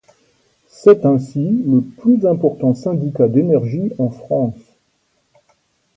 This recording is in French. C'est ainsi le plus important syndicat d'énergie en France.